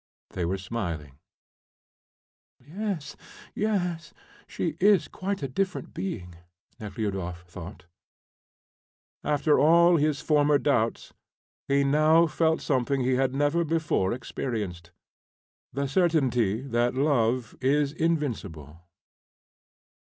They were smiling. "Yes, yes, she is quite a different being," Nekhludoff thought. After all his former doubts, he now felt something he had never before experienced the certainty that love is invincible.